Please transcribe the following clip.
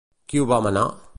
Qui ho va manar?